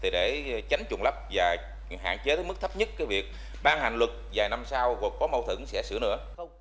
để tránh trùng lấp và hạn chế tới mức thấp nhất cái việc ban hành luật vài năm sau có mâu thử sẽ sửa nữa